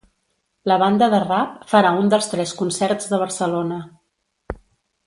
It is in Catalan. La banda de rap farà un dels tres concerts de Barcelona.